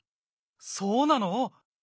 そうなの？